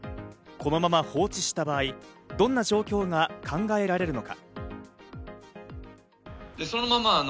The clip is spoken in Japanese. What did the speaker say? このまま放置した場合、どんな状況が考えられるのか？